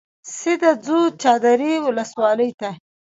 سیده ځو چاردرې ولسوالۍ ته.